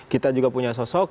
kita juga punya sosok